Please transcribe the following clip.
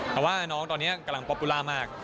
แต่ว่าน้องตอนนี้กำลังป๊อปปูล่ามาก